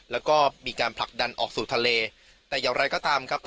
แล้วก็มีการผลักดันออกสู่ทะเลแต่อย่างไรก็ตามครับ